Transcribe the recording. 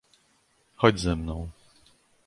"Chodź ze mną!"